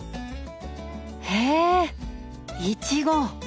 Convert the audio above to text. へえイチゴ！